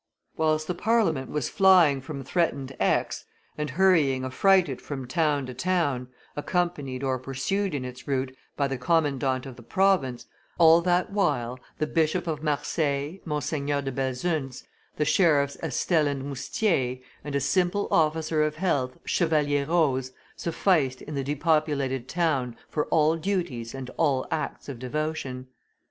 Whilst the Parliament was flying from threatened Aix, and hurrying affrighted from town to town, accompanied or pursued in its route by the commandant of the province, all that while the Bishop of Marseilles, Monseigneur de Belzunce, the sheriffs Estelle and Moustier, and a simple officer of health, Chevalier Roze, sufficed in the depopulated town for all duties and all acts of devotion.